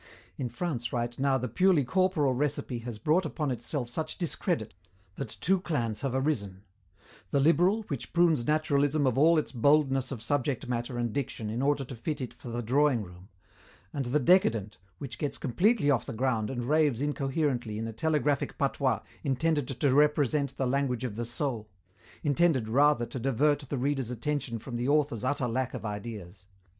In France right now the purely corporal recipe has brought upon itself such discredit that two clans have arisen: the liberal, which prunes naturalism of all its boldness of subject matter and diction in order to fit it for the drawing room, and the decadent, which gets completely off the ground and raves incoherently in a telegraphic patois intended to represent the language of the soul intended rather to divert the reader's attention from the author's utter lack of ideas.